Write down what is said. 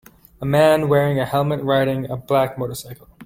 A man wearing a helmet riding a black motorcycle